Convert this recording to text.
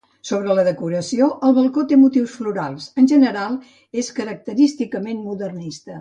Sobre la decoració, el balcó té motius florals, en general és característicament modernista.